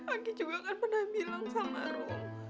aki juga kan pernah bilang sama rum